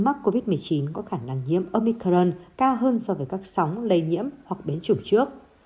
mắc covid một mươi chín có khả năng nhiễm omicuran cao hơn so với các sóng lây nhiễm hoặc biến chủng trước